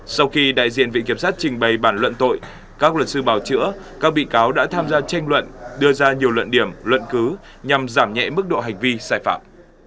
sau khi đại diện vị kiểm sát trình bày bản luận tội các luật sư bảo chữa các bị cáo đã tham gia tranh luận đưa ra nhiều luận điểm luận cứ nhằm giảm nhẹ mức độ hành vi sai phạm